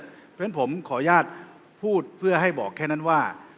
เพราะฉะนั้นผมขออนุญาตพูดเพื่อให้บอกแค่นั้นว่า